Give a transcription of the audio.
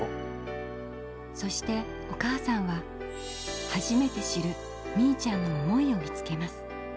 そしてお母さんは初めて知るみいちゃんの思いを見つけます。